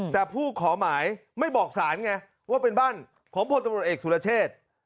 แต่ผู้ขอหมายไม่บอกสารไงว่าเป็นบ้านของพลตำรวจเอกสุรเชษ